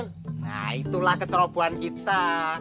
nah itulah keterobohan kita